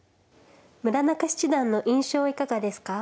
村中七段の印象はいかがですか。